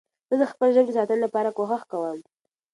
زه د خپلي ژبې د ساتنې لپاره کوښښ کوم.